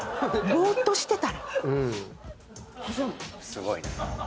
すごいな。